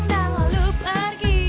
dan lalu pergi